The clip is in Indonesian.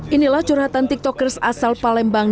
inilah curhatan tiktokers asal palembang